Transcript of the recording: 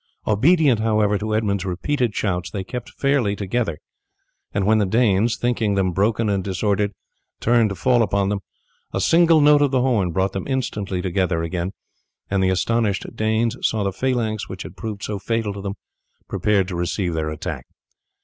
Obedient, however, to Edmund's repeated shouts they kept fairly together, and when the Danes, thinking them broken and disordered, turned to fall upon them, a single note of the horn brought them instantly together again, and the astonished Danes saw the phalanx which had proved so fatal to them prepared to receive their attack.